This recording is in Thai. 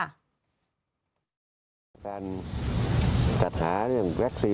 การจัดหาเรื่องวัคซีน